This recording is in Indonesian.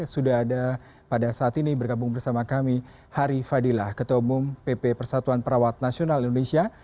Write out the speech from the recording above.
sudah ada pada saat ini bergabung bersama kami hari fadilah ketua umum pp persatuan perawat nasional indonesia